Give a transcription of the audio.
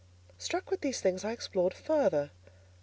Struck with these things, I explored further.